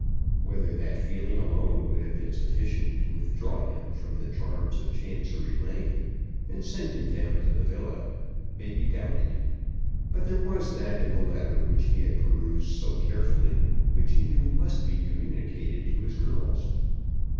Whether that feeling alone would have been sufficient to withdraw him from the charms of Chancery Lane and send him down to the villa may be doubted; but there was that in the letter which he had perused so carefully which he knew must be communicated to his girls.